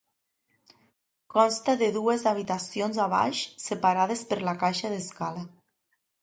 Consta de dues habitacions a baix, separades per la caixa d’escala.